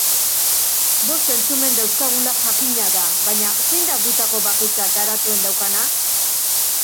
Bost zentzumen dauzkagula jakina da, baina zein da gutako bakoitzak garatuen daukana?